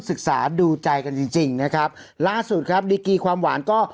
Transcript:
ศึกษาดูใจกันจริงจริงนะครับล่าสุดครับดีกีความหวานก็